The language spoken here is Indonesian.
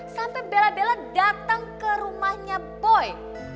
sampai bela bela datang ke rumahnya boy